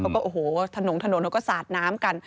ก็ทนุนแล้วก็สาดน้ำกัน